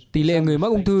tỷ lệ người mắc ung thư